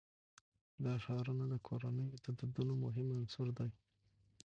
دا ښارونه د کورنیو د دودونو مهم عنصر دی.